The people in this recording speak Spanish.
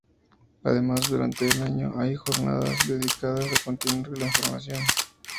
Además, durante el año, hay jornadas dedicadas a continuar con la formación.